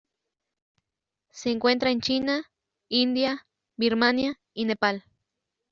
Se encuentra en China, India, Birmania, y Nepal.